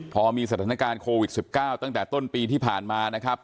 พอมีสถานการณ์โควิด๑๙ตั้งแต่ต้นปีที่ผ่านมานะครับ